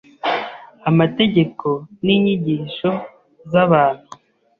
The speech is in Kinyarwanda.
amategeko n’inyigisho z’abantu?